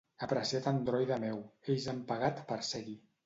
Apreciat androide meu, ells han pagat per ser-hi.